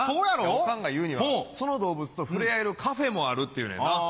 オカンが言うにはその動物と触れ合えるカフェもあるっていうねんな。